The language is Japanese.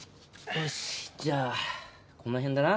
よしじゃあこの辺だな。